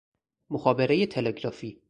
مخابرۀ تلگرافی